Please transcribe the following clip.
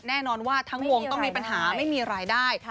แน่นอนว่าทั้งวงต้องมีปัญหาไม่มีรายได้